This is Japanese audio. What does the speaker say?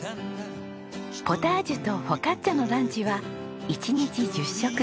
ポタージュとフォカッチャのランチは１日１０食。